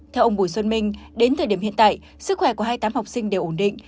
theo ông bùi xuân minh đến thời điểm hiện tại sức khỏe của hai mươi tám học sinh đều ổn định